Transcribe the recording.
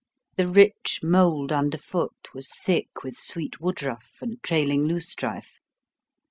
The rich mould underfoot was thick with sweet woodruff and trailing loosestrife.